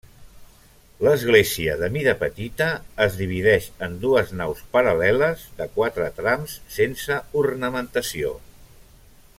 L'església de mida petita es divideix en dues naus paral·leles de quatre trams sense ornamentació.